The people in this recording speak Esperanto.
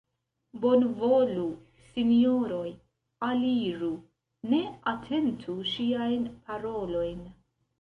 Bonvolu, sinjoroj, aliru, ne atentu ŝiajn parolojn!